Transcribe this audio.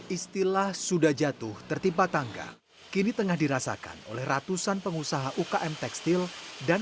istilah sudah jatuh tertimpa tangga kini tengah dirasakan oleh ratusan pengusaha ukm tekstil dan